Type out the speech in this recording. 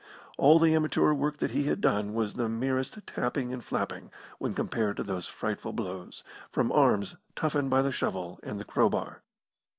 All the amateur work that he had done was the merest tapping and flapping when compared to those frightful blows, from arms toughened by the shovel and the crowbar.